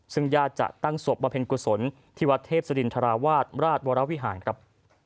ซึ่งญาติจะตั้งศพบำเพ็ญกุศลที่วัดเทพศรินทราวาสราชวรวิหารครับ